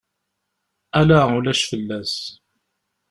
Ala ulac fell-as.